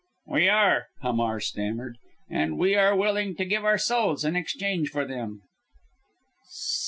"We are!" Hamar stammered, "and we are willing to give our souls in exchange for them."